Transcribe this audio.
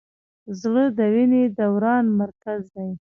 زړه د وینې دوران مرکز دی.